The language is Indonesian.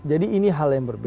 jadi ini hal yang berbeda